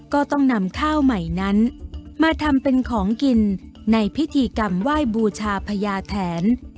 ก็ต้องนำข้าวใหม่นั้นมาทำเป็นของกินในพิธีกรรมไหว้บูชาพญาแทน